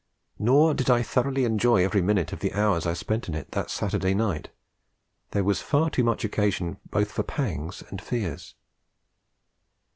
Nor did I thoroughly enjoy every minute of the hours I spent in it that Saturday night; there was far too much occasion both for pangs and fears.